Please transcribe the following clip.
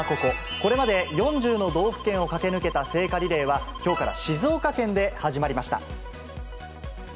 これまで４０の道府県を駆け抜けた聖火リレーは、きょうから静岡県で始まりました。